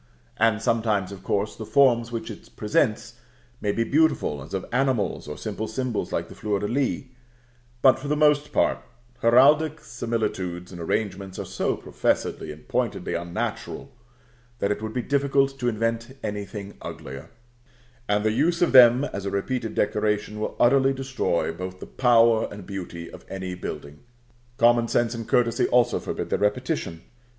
And sometimes, of course, the forms which it presents may be beautiful, as of animals, or simple symbols like the fleur de lis; but, for the most part, heraldic similitudes and arrangements are so professedly and pointedly unnatural, that it would be difficult to invent anything uglier; and the use of them as a repeated decoration will utterly destroy both the power and beauty of any building. Common sense and courtesy also forbid their repetition.